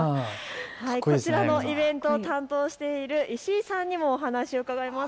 こちらのイベント、担当している石井さんにもお話を伺います。